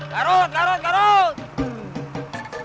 garut garut garut